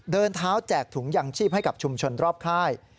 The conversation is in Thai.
เดินเท้าแจกถุงยางชีพให้กับชุมชนรอบค่าย